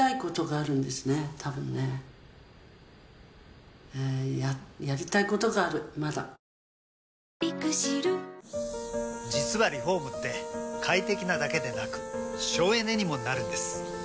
それはＣＭ②のあとで実はリフォームって快適なだけでなく省エネにもなるんです。